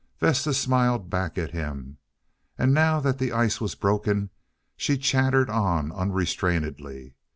Vesta smiled back at him, and now that the ice was broken she chattered on unrestrainedly.